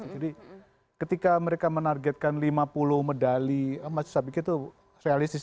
jadi ketika mereka menargetkan lima puluh medali masih sampai itu realistis